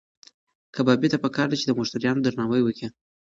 کبابي ته پکار ده چې د مشتریانو درناوی وکړي.